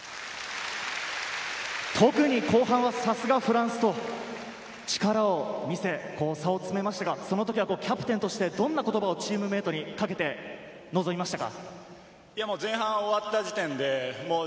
特に後半はさすがフランスと力を見せ、差を詰めましたが、その時はキャプテンとしてどんな言葉をチームメートにかけてのぞみましたか？